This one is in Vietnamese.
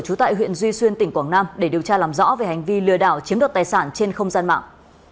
trú tại huyện duy xuyên tỉnh quảng nam để điều tra làm rõ về hành vi lừa đảo chiếm đoạt tài sản trên không gian mạng